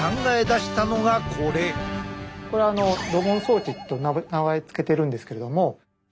これドボン装置と名前付けてるんですけれども。